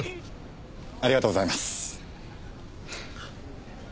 ありがとうございます。